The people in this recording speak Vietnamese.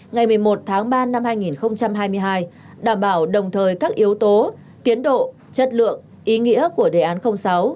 ngày một mươi một tháng ba năm hai nghìn hai mươi hai đảm bảo đồng thời các yếu tố tiến độ chất lượng ý nghĩa của đề án sáu